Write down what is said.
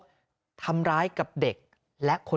ปรากฏว่าโดนชกทำร้ายกับเด็กและคนแก่